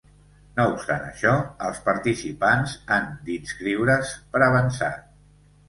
No obstant això, els participants han d'inscriure's per avançat.